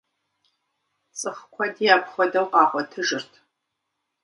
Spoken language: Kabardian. Цӏыху куэди апхуэдэу къагъуэтыжырт.